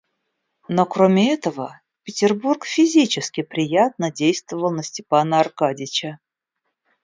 Но, кроме этого, Петербург физически приятно действовал на Степана Аркадьича.